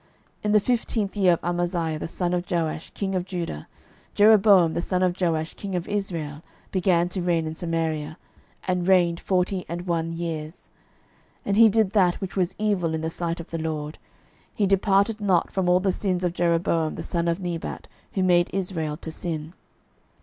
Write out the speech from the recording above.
12:014:023 In the fifteenth year of Amaziah the son of Joash king of Judah Jeroboam the son of Joash king of Israel began to reign in Samaria, and reigned forty and one years. 12:014:024 And he did that which was evil in the sight of the LORD: he departed not from all the sins of Jeroboam the son of Nebat, who made Israel to sin.